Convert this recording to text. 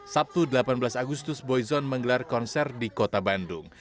sabtu delapan belas agustus boyzon menggelar konser di kota bandung